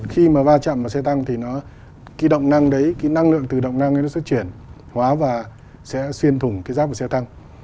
khi mà va chạm vào xe tăng thì nó cái động năng đấy cái năng lượng từ động năng ấy nó sẽ chuyển hóa và sẽ xuyên thủng cái giáp của xe tăng